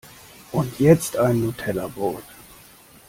Und jetzt ein Nutellabrot!